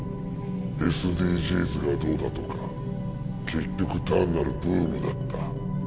ＳＤＧｓがどうだとか結局単なるブームだった。